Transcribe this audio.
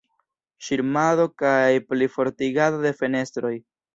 Ŝirmado kaj plifortigado de fenestroj.